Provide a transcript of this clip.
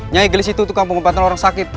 nyigelis itu itu kampung kemattan orang sakit